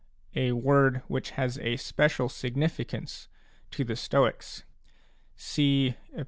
, a word which has a special significance to the Stoics ; see Ep.